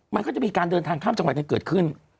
มันก็จะมีการเดินทางข้ามจังหวัดกันเกิดขึ้น